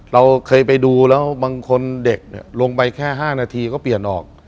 เราเคยไปดูแล้วบางคนเด็กลงไปแค่๕นาทีก็เปลี่ยนออก